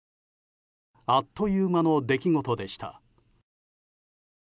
あっという間の出来事でした。